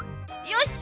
よし！